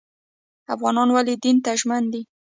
افغانان ولې دین ته ژمن دي؟